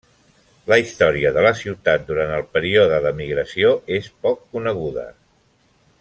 La història de la ciutat durant el període de migració és poc coneguda.